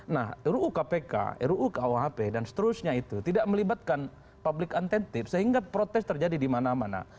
nah ruu kpk ruu kuhp dan seterusnya itu tidak melibatkan public attentive sehingga protes terjadi di mana mana